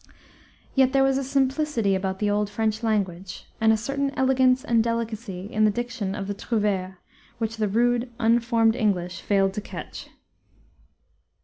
Yet there was a simplicity about the old French language and a certain elegance and delicacy in the diction of the trouveres which the rude, unformed English failed to catch.